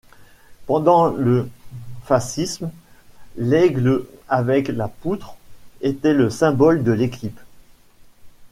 Pendant le fascisme, l'aigle avec la poutre était le symbole de l'équipe.